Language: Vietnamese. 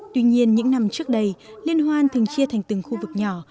tuy nhiên những năm trước đây liên hoan thường chia thành từng khu vực nhỏ